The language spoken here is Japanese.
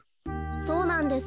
そうなんです。